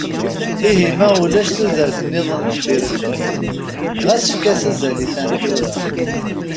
Ihi ma ulac tudert-iḍen deffir lmut, ɣas fket-as azal i ta n tura.